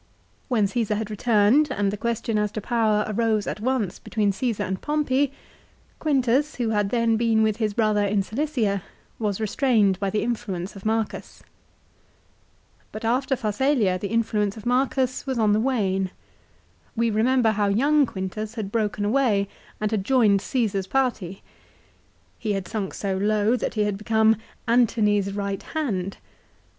When Csesar had returned, and the question as to power arose at once between Csesar and Pompey, Quintus who had then been with his brother in Cilicia, was restrained by the influence of Marcus. But after Pharsalia the in fluence of Mure us was on the wane. We remember how young Quintus had broken away and had joined Caesar's party. He had sunk so low that he had become " Antony's right hand."